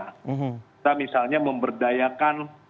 kita misalnya memberdayakan